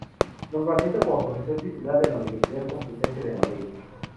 Nombramiento como Profesor Titular de la Universidad Complutense de Madrid.